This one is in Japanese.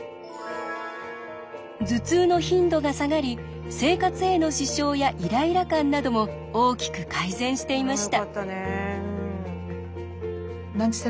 頭痛の頻度が下がり生活への支障やイライラ感なども大きく改善していました。